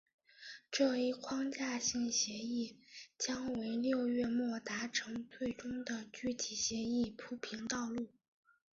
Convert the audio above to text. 这一框架性协议将为六月末达成最终的具体协议铺平道路。